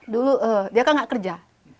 dulu dia kan gak kerja